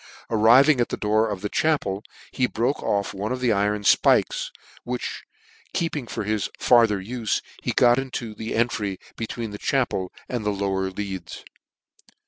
Arriving at the door of the chapel, he broke off" one of the iron fpikes, which keeping for his farther ufe, he got into an entry between the chapel and the lower leads.